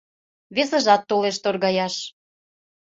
Весыжат толеш торгаяш -